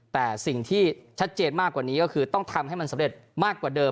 แต่สิ่งที่ชัดเจนมากกว่านี้ก็คือต้องทำให้มันสำเร็จมากกว่าเดิม